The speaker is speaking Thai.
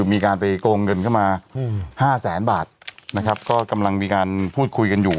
มีการไปโกงเงินเข้ามาห้าแสนบาทนะครับก็กำลังมีการพูดคุยกันอยู่